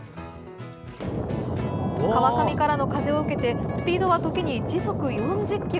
川上からの風を受けてスピードは時に時速４０キロ。